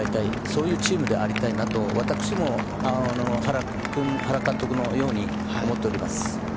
そういうチームでありたいなと私も原監督のように思っております。